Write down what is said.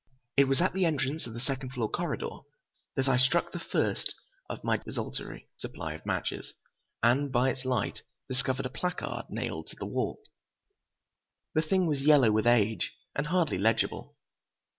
It was at the entrance of the second floor corridor that I struck the first of my desultory supply of matches, and by its light discovered a placard nailed to the wall. The thing was yellow with age and hardly legible.